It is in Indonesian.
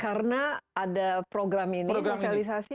karena ada program ini sosialisasi